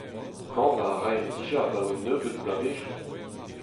Kanañ a raen dija abaoe un nebeud bloavezhioù.